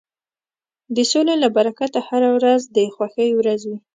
د سولې له برکته هره ورځ د خوښۍ ورځ وي.